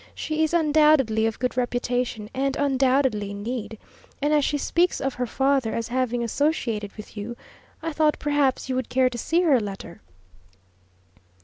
She is undoubtedly of good reputation, and undoubtedly in need; and as she speaks of her father as having associated with you, I thought perhaps you would care to see her letter."